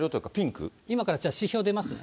今からじゃあ、指標出ますね。